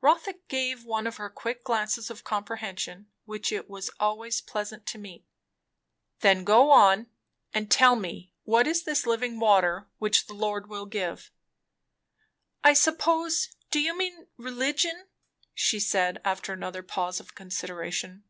Rotha gave one of her quick glances of comprehension, which it was always pleasant to meet. "Then go on, and tell me what is this living water which the Lord will give?" "I suppose do you mean religion?" she said, after another pause of consideration.